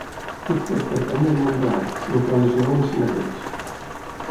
Tot pot pertànyer al món de l'art, el qual és nou en si mateix.